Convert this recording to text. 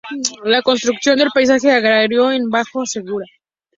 La construcción del paisaje agrario en el Bajo Segura.